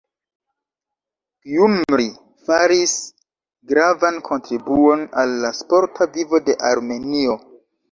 Gjumri faris gravan kontribuon al la sporta vivo de Armenio.